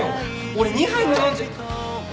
俺２杯も飲んじゃっ。